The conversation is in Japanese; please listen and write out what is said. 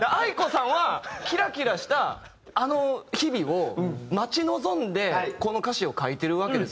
ａｉｋｏさんはキラキラしたあの日々を待ち望んでこの歌詞を書いてるわけですよ。